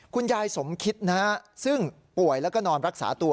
คุณยายสมคิดนะฮะซึ่งป่วยแล้วก็นอนรักษาตัว